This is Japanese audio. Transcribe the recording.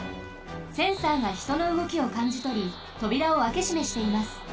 センサーがひとのうごきをかんじとりとびらをあけしめしています。